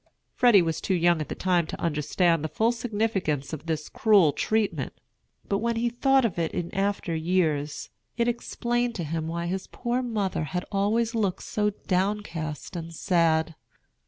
Freddy was too young at the time to understand the full significance of this cruel treatment; but when he thought of it in after years, it explained to him why his poor mother had always looked so downcast and sad.